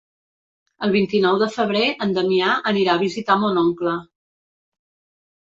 El vint-i-nou de febrer en Damià anirà a visitar mon oncle.